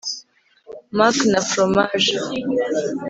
mac na foromaje